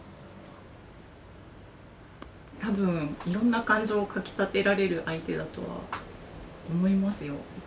多分いろんな感情をかきたてられる相手だとは思いますよ。